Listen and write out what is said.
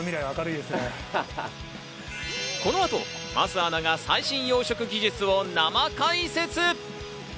この後、桝アナが最新養殖技術を生解説。